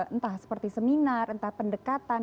entah seperti seminar entah pendekatan